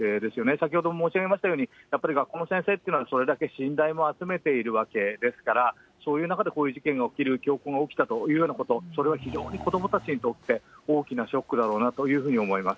先ほども申し上げましたように、やっぱり学校の先生ってのは、それだけ信頼も集めているわけですから、そういう中でこういう事件が起きる、が起きたということ、それは非常に子どもたちにとって大きなショックだろうなというふうに思います。